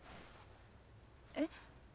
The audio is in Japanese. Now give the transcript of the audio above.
えっ？